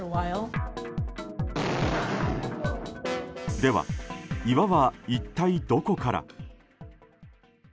では、岩は一体どこから。